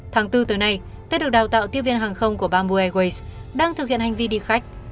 tháng bốn tới nay đã được đào tạo tiếp viên hàng không của bamboo airways đang thực hiện hành vi đi khách